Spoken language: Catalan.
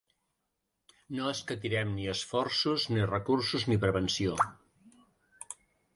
No escatirem ni esforços ni recursos ni prevenció.